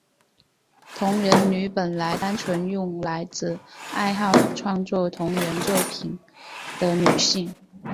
同人女本来单纯用来指爱好创作同人作品的女性。